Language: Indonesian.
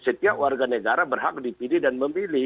setiap warga negara berhak dipilih dan memilih